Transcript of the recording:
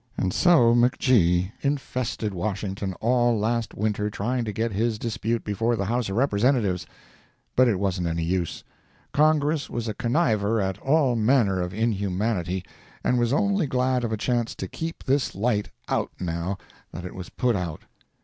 And so McG. infested Washington all last winter trying to get his dispute before the House of Representatives, but it wasn't any use. Congress was a conniver at all manner of inhumanity, and was only glad of a chance to keep this light out now that it was put out.